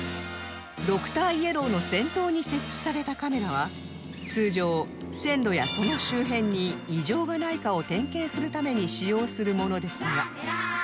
ドクターイエローの先頭に設置されたカメラは通常線路やその周辺に異常がないかを点検するために使用するものですが